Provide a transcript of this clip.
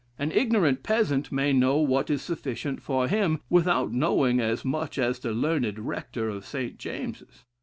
An ignorant peasant may know what is sufficient for him, without knowing as much as the learned rector of St. James's.